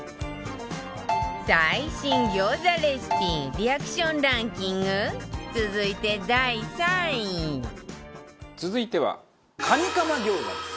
最新餃子レシピリアクションランキング続いて第３位続いてはカニカマ餃子です。